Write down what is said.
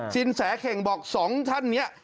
สินแสเข่งบอกสองท่านเนี่ย